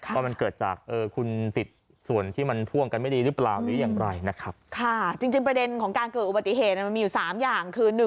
ว่ามันเกิดจากคุณสิทธิ์ส่วนที่พ่วงกันไม่ดีหรือเปล่า